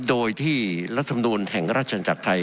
โดยที่รัฐมนูลแห่งราชจักรไทย